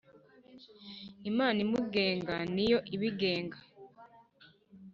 Imana umugenga niyo ibigenga